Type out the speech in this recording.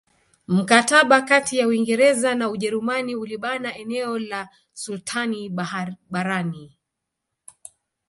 Mkataba kati ya Uingereza na Ujerumani ulibana eneo la sultani barani